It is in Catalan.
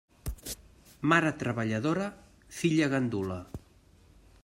Mare treballadora, filla gandula.